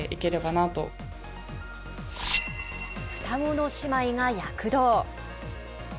双子の姉妹が躍動。